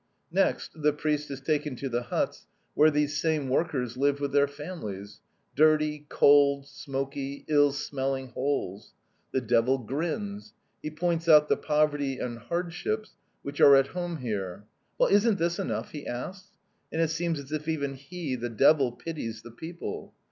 "Next the priest is taken to the huts where these same workers live with their families dirty, cold, smoky, ill smelling holes. The devil grins. He points out the poverty and hardships which are at home here. "'Well, isn't this enough?' he asks. And it seems as if even he, the devil, pities the people.